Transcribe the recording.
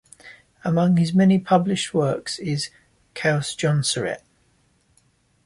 Among his many published works is "Kausjonsrett".